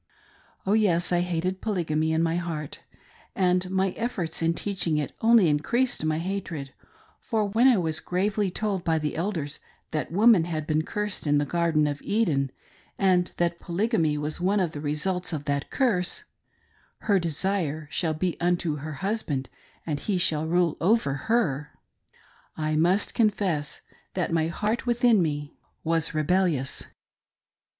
Oh yes, I hated Polygamy in my heart. And my efforts in teaching it only increased my hatred ; for when I was gravely told by the Elders that woman had been cursed in the Gar den of Eden, and that Polygamy was one of the results of that curse —" her desire shall be unto her husband, and he shall rule over her\" — I must confess that my heart within me 1 56 MY HUSBANDS WCJRK,^AND MINE. was rebellious.